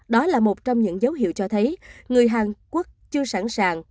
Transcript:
đó là một trong những dấu hiệu cho thấy người hàn quốc chưa sẵn sàng